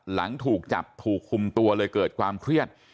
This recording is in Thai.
หลังถูกจับถูกคุมตัวเลยเกิดความเครียด